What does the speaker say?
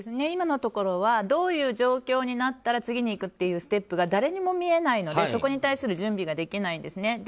今のところはどういう状況になったら次に行くというステップが誰にも見えないのでそこへの準備ができないですね。